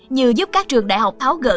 như giúp các trường đại học tháo gỡ